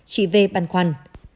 chị v băn khoăn